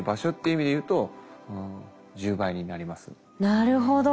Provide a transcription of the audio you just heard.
なるほど。